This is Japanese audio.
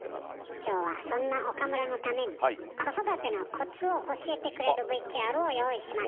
今日はそんな岡村のために子育てのコツを教えてくれるＶＴＲを用意しました。